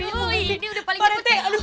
bu messi cepetan keluar